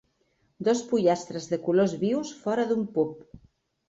Dos pollastres de colors vius fora d'un pub.